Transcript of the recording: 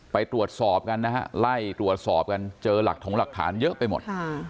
ไปตรวจสอบกันนะฮะไล่ตรวจสอบกันเจอหลักถงหลักฐานเยอะไปหมด